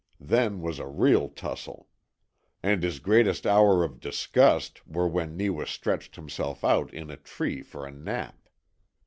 Then was a real tussle. And his greatest hours of disgust were when Neewa stretched himself out in a tree for a nap.